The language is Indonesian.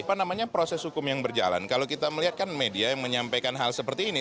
apa namanya proses hukum yang berjalan kalau kita melihat kan media yang menyampaikan hal seperti ini